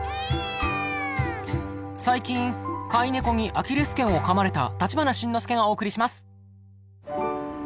最近飼いネコにアキレス腱をかまれた立花慎之介がお送りします。